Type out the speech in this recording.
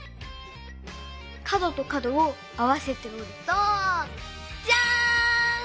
かどとかどをあわせておるとジャーン！